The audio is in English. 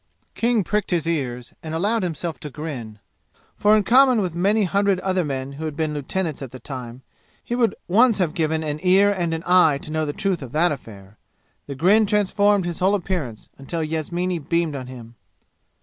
King pricked his ears and allowed himself to grin, for in common with many hundred other men who had been lieutenants at the time, he would once have given an ear and an eye to know the truth of that affair. The grin transformed his whole appearance, until Yasmini beamed on him.